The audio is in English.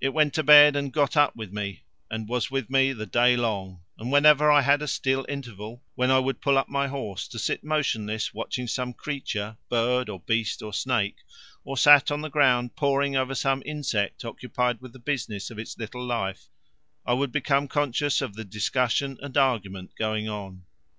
It went to bed and got up with me, and was with me the day long, and whenever I had a still interval, when I would pull up my horse to sit motionless watching some creature, bird or beast or snake, or sat on the ground poring over some insect occupied with the business of its little life, I would become conscious of the discussion and argument going on.